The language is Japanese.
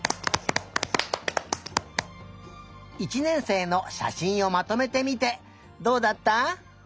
１年生のしゃしんをまとめてみてどうだった？